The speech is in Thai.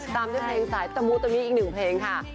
ตามด้วยเพลงสายตะมูตะมิอีกหนึ่งเพลงค่ะ